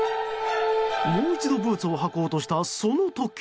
もう一度ブーツを履こうとしたその時。